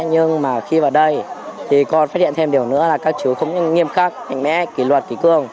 nhưng mà khi vào đây thì con phát hiện thêm điều nữa là các chú không nghiêm khắc mạnh mẽ kỳ luật kỳ cương